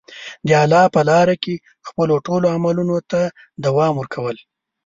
د الله په لاره کې خپلو ټولو عملونو ته دوام ورکول.